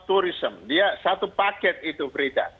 kita harus menemukan sport turisme dia satu paket itu berita